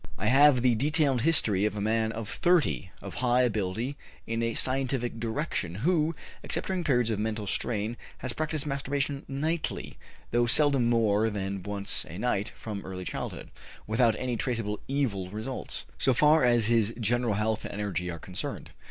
I have the detailed history of a man of 30, of high ability in a scientific direction, who, except during periods of mental strain, has practiced masturbation nightly (though seldom more than once a night) from early childhood, without any traceable evil results, so far as his general health and energy are concerned.